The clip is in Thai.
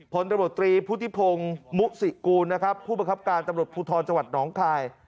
ผลตำรวจตรีพุทธิพงศ์มุสิกูลนะครับผู้ประคับการตำรวจภูทรจังหวัดหนองคาย